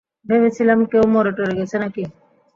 ভেবেছিলাম কেউ মরে-টরে গেছে নাকি!